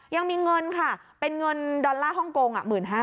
ยังมีเงินค่ะเป็นเงินดอลลาร์ฮ่องกง๑๕๐๐